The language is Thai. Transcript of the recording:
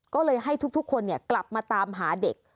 ก็เลยให้ทุกทุกคนเนี่ยกลับมาตามหาเด็ก